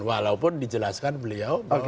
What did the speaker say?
walaupun dijelaskan beliau bahwa